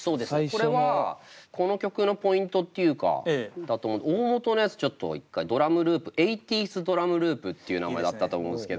これはこの曲のポイントっていうか大本のやつちょっと一回ドラムループエイティーズドラムループっていう名前だったと思うんすけど。